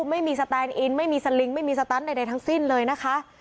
ไม่มีสแตนอินไม่มีสลิงไม่มีสตันใดทั้งสิ้นเลยนะคะ